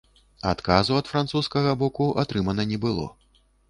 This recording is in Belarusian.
Адказу ад французскага боку атрымана не было.